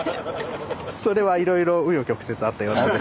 それはいろいろう余曲折あったようなんですけれども。